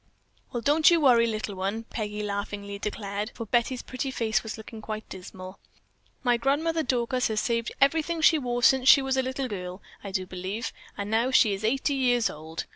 "Well, don't you worry, little one," Peggy laughingly declared, for Betty's pretty face was looking quite dismal. "My Grandmother Dorcas has saved everything she wore since she was a little girl, I do believe, and now she is eighty years old.